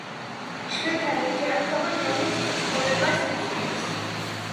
შვილთან ურთიერთობა ჯონის ცხოვრებას ცვლის.